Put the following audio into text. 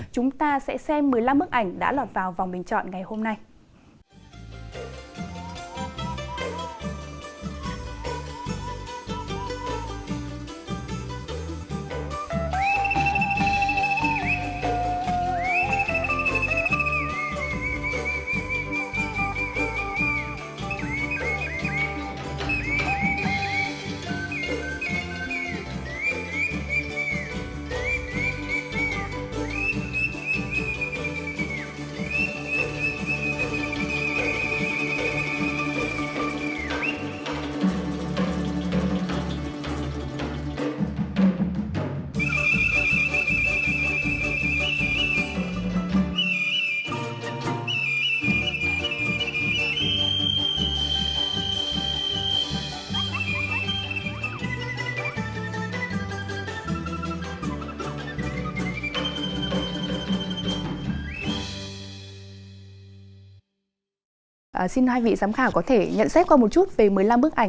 chúng ta sẽ xem một mươi năm bức ảnh đã lọt vào vòng bình chọn ngày hôm nay